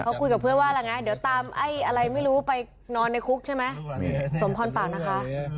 เขาคุยกับเพื่อนว่าอะไรไงเดี๋ยวตามไอ้อะไรไม่รู้ไปนอนในคุกใช่ไหมสมพรปากนะคะ